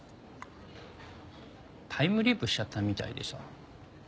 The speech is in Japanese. タイムリープしちゃったみたいでさ。